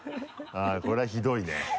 あぁこれはひどいね。